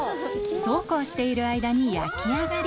そうこうしている間に焼き上がり！